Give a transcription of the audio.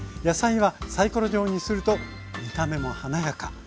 野菜はサイコロ状にすると見た目も華やか。